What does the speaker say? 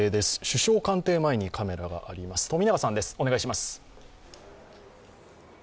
首相官邸前にカメラがあります。